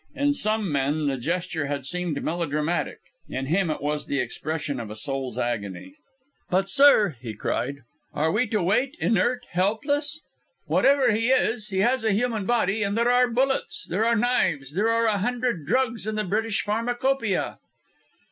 In some men the gesture had seemed melodramatic; in him it was the expression of a soul's agony. "But, sir!" he cried "are we to wait, inert, helpless? Whatever he is, he has a human body and there are bullets, there are knives, there are a hundred drugs in the British Pharmacopoeia!"